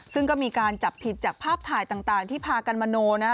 ซึ่งก็มีการจับผิดจากภาพถ่ายต่างที่พากันมโนนะฮะ